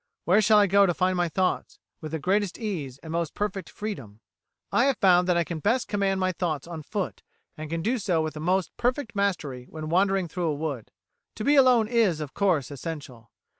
Where shall I go to find my thoughts with the greatest ease and most perfect freedom? "I have found that I can best command my thoughts on foot, and can do so with the most perfect mastery when wandering through a wood. To be alone is, of course, essential.